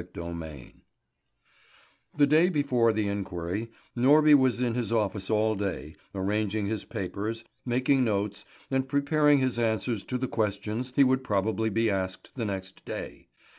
CHAPTER IV THE day before the inquiry, Norby was in his office all day, arranging his papers, making notes, and preparing his answers to the questions he would probably be asked the next day.